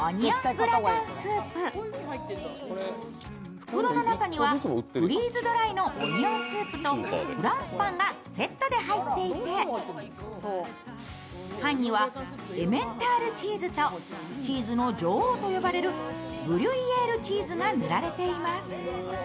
袋の中にはフリーズドライのオニオンスープとフランスパンがセットで入っていて、パンにはエメンタールチーズとチーズの女王と言われるグリュイエールチーズが塗られています。